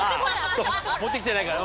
持ってきてないから。